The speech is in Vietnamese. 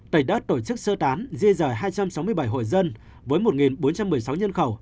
tây đã tổ chức sơ tán di rời hai trăm sáu mươi bảy hội dân với một bốn trăm một mươi sáu nhân khẩu